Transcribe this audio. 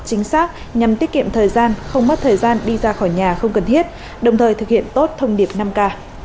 chính xác nhằm tiết kiệm thời gian không mất thời gian đi ra khỏi nhà không cần thiết đồng thời thực hiện tốt thông điệp năm k